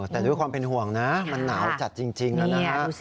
แต่ด้วยความเป็นห่วงนะมันหนาวจัดจริงนะครับ